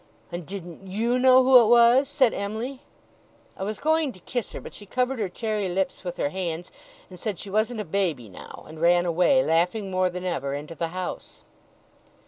'And didn't YOU know who it was?' said Em'ly. I was going to kiss her, but she covered her cherry lips with her hands, and said she wasn't a baby now, and ran away, laughing more than ever, into the house.